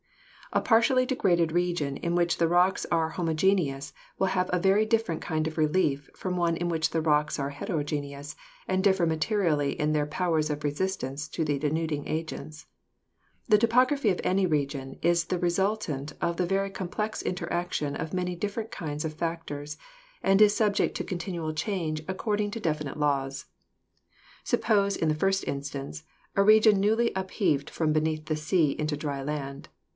A partially degraded region in which the rocks are homogeneous will have a very different kind of relief from one in which the rocks are heterogeneous and differ materially in their powers of resistance to the denuding agents. The topography of any region is the resultant of the very complex interaction of many different kinds of fac tors and is subject to continual change according to deli PHYSIOGRAPHY 181 nite laws. Suppose, in the first instance, a region newly upheaved from beneath the sea into dry land.